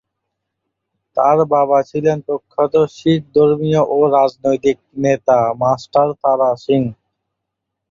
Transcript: তার বাবা ছিলেন প্রখ্যাত শিখ ধর্মীয় ও রাজনৈতিক নেতা মাস্টার তারা সিং।